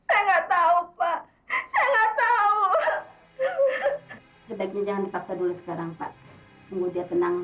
enggak tahu pak enggak tahu sebaiknya jangan dipaksa dulu sekarang pak tunggu dia tenang